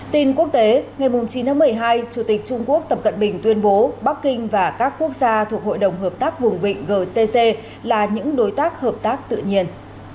tin quốc tế ngày chín tháng một mươi hai chủ tịch trung quốc tập cận bình tuyên bố bắc kinh và các quốc gia thuộc hội đồng hợp tác vùng vịnh gcc là những đối tác hợp tác tự nhiên